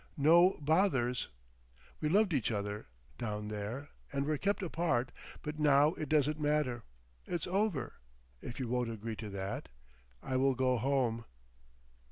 No bothers. We loved each other—down there—and were kept apart, but now it doesn't matter. It's over.... If you won't agree to that—I will go home."